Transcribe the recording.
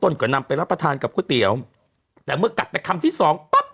ก็นำไปรับประทานกับก๋วยเตี๋ยวแต่เมื่อกัดไปคำที่สองปั๊บ